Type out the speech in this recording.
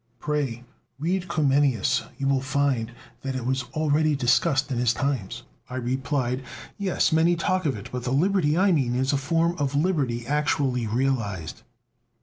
Pray read Comenius you will find that it was already discussed in his times." I replied: "Yes, many talk of it, but the liberty I mean is a form of liberty actually realized."